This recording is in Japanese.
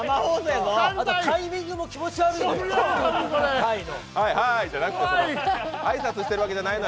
タイミングも気持ち悪い、ハイの。